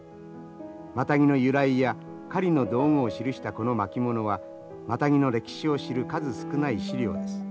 マタギの由来や狩りの道具を記したこの巻物はマタギの歴史を知る数少ない資料です。